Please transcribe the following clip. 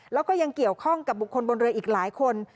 แล้วก็ยังเกี่ยวข้องกับบุคคลบนเรืออีกหลายคน